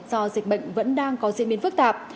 do dịch bệnh vẫn đang có diễn biến phức tạp